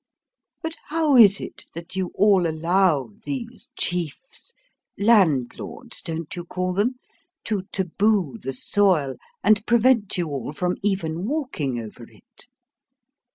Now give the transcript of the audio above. But how is it that you all allow these chiefs landlords, don't you call them? to taboo the soil and prevent you all from even walking over it?